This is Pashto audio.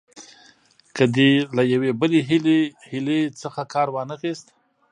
که دې له یوې بلې حیلې څخه کار وانه خیست.